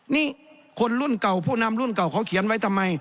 นี่คนรุ่นเก่าผู้นำรุ่นเก่าเขาเขียนไว้ทำไม